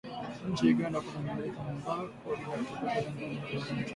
Nchini Uganda kuna maeneo ambako lita ya petroli inagharimu dola tatu